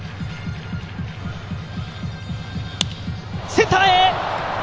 センターへ！